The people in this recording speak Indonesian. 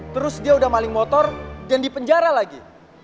terus dia udah maling motor dan di penjara lagi